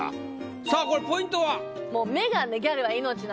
さあこれポイントは？